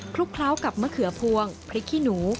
ลุกเคล้ากับมะเขือพวงพริกขี้หนู